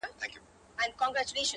او بخښنه مي له خدایه څخه غواړم!٫.